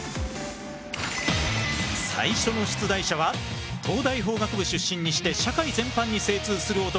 最初の出題者は東大法学部出身にして社会全般に精通する男